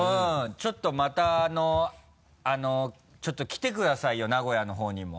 ちょっとまたちょっと来てくださいよ名古屋の方にも。